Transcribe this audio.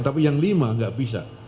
tapi yang lima nggak bisa